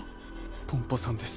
ポンポさんです。